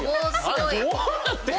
どうなってんの？